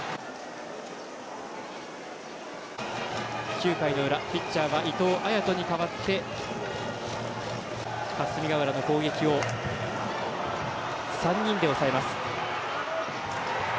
９回の裏、ピッチャーは伊藤彩斗に代わって霞ヶ浦の攻撃を３人で抑えます。